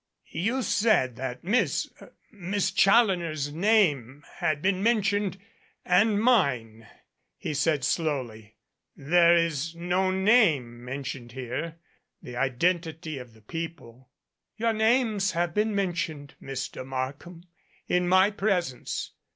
"You said that Miss Miss Challoner's name had been mentioned and mine," he said slowly. "There is no name mentioned here. The identity of the people " "Your names have been mentioned, Mr. Markham, In my presence.